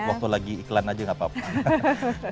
waktu lagi iklan aja gak apa apa